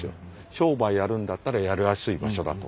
商売やるんだったらやりやすい場所だと。